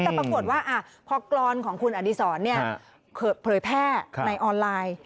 แต่ปรากฏว่าพอกรอนของคุณอดีศรเผยแพร่ในออนไลน์